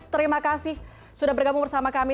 terima kasih sudah bergabung bersama kami